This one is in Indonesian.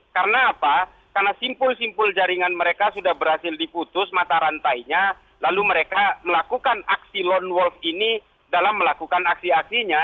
karena apa karena simpul simpul jaringan mereka sudah berhasil diputus mata rantainya lalu mereka melakukan aksi lone wolf ini dalam melakukan aksi aksinya